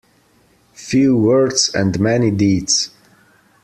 Few words and many deeds.